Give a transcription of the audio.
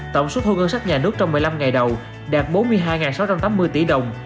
tổng số thu ngân sách nhà nước trong một mươi năm ngày đầu đạt bốn mươi hai sáu trăm tám mươi tỷ đồng